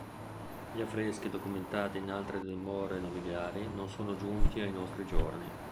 Gli affreschi documentati in altre dimore nobiliari non sono giunti ai nostri giorni.